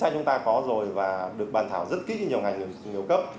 chúng ta có rồi và được bàn thảo rất kỹ như nhiều ngành nhiều cấp